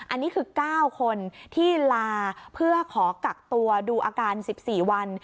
อันนี้คือ๙คนที่ลาเพื่อขอกักตัวดูอาการ๑๔วัน